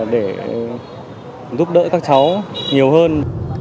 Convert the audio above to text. để giúp đỡ các cháu nhiều hơn